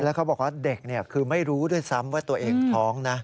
แล้วเขาบอกว่าเด็กคือไม่รู้ด้วยซ้ำว่าตัวเองท้องนะ